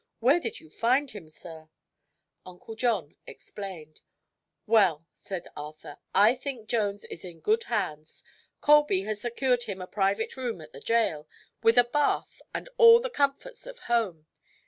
Where did you find him, sir?" Uncle John explained. "Well," said Arthur, "I think Jones is in good hands. Colby has secured him a private room at the jail, with a bath and all the comforts of home.